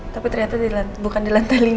tapi ternyata bukan di lantai lima